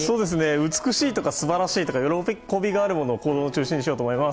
美しい、素晴らしい喜びがあるものを行動の中心にしようと思います。